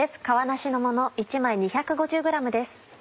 皮なしのもの１枚２５０ｇです。